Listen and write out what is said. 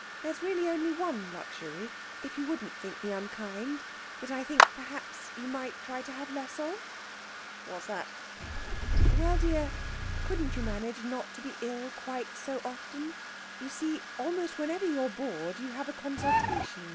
There's really only one luxury if you won't think me unkind that I think, perhaps, you might try to have less of.' 'What is that?' 'Well, dear, couldn't you manage not to be ill quite so often? You see, almost whenever you're bored you have a consultation.